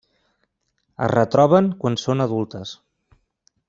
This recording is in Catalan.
Es retroben quan són adultes.